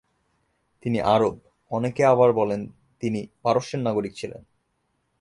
তিনি আরব, অনেকে আবার বলেন তিনি পারস্যের নাগরিক ছিলেন।